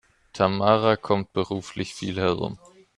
Tamara kommt beruflich viel herum.